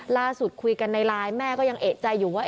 ล่าสุดคุยกันในไลน์แม่ก็ยังเอกใจอยู่ว่า